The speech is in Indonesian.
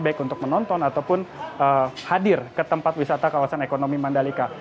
baik untuk menonton ataupun hadir ke tempat wisata kawasan ekonomi mandalika